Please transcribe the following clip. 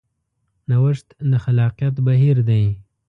نوښت د خلاقیت بهیر دی.